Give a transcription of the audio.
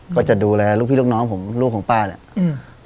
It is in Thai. ก็จะดูแลลูกพี่ลูกน้องผมลูกของป้าเนี่ยอืม